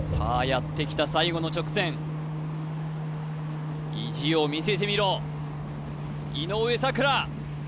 やってきた最後の直線意地を見せてみろ井上咲楽